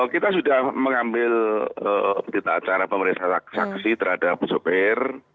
kita sudah mengambil dita acara pemerintah saksi terhadap sopir